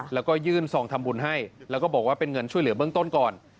แล้วก็ยื่นซองทำบุญให้แล้วก็บอกว่าเป็นเงินช่วยเหลือเบื้องต้นก่อน